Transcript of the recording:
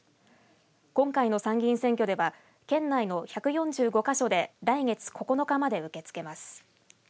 今回の参議院選挙では県内の１４５か所で来月９日まで受け付けます。